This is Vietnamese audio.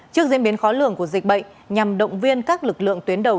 trước diễn biến khó lường của dịch bệnh nhằm động viên các lực lượng tuyến đầu